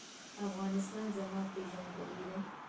افغانستان زما پیژندګلوي ده